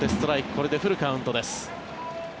これでフルカウントです。